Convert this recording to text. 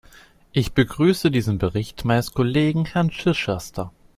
Ich begrüße diesen Bericht meines Kollegen Herrn Chichester.